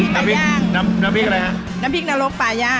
น้ำพริกน้ำน้ำพริกอะไรฮะน้ำพริกนรกปลาย่า